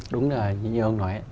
đúng là như ông nói